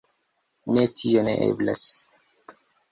Ne, tio ne eblas.